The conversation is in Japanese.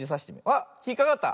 あっひっかかった。